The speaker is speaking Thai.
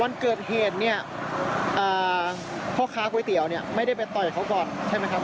วันเกิดเหตุเนี่ยพ่อค้าก๋วยเตี๋ยวเนี่ยไม่ได้ไปต่อยเขาก่อนใช่ไหมครับ